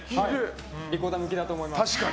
リコーダー向きだと思います。